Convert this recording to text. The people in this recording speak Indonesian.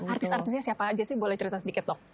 artis artisnya siapa aja sih boleh cerita sedikit dok